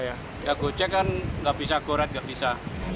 ya gojek kan tidak bisa goret tidak bisa